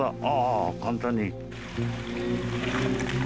あ簡単に。